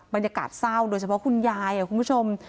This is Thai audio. บรรยากาศเศร้าโดยเฉพาะคุณยายคุณผู้ชม